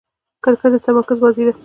کرکټ د تمرکز بازي ده.